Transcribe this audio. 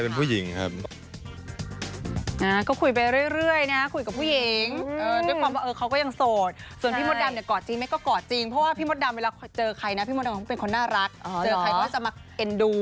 เป็นคนน่ารักเจอใครก็จะมาเอ็นดู